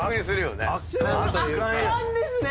圧巻ですね！